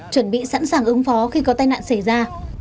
chuẩn bị sẵn sàng ứng phó khi có tai nạn xảy ra